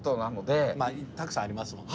たくさんありますもんね。